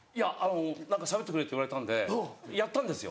何かしゃべってくれって言われたんでやったんですよ。